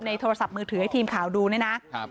ในโทรศัพท์มือถือให้ทีมข่าวดูนะนะ